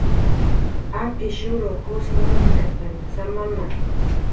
Akishrw qus munkatanh samama